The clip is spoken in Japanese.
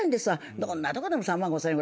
どんなとこでも３万５，０００円する。